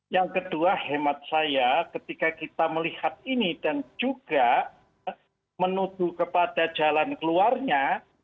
yang kedua hemat saya ketika kita melihat ini dan juga menuju kepada jalan keluarnya